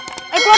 ayo keluar pan